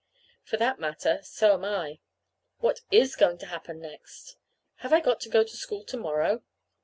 For that matter, so am I. What is going to happen next? Have I got to go to school to morrow?